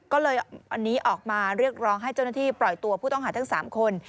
ก็เลยอันนี้ออกมาเรียกร้องให้เจ้าหน้าที่ปล่อยตัวผู้ต้องหาทั้ง๓คน